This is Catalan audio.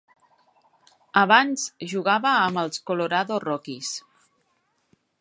Abans jugava amb els Colorado Rockies.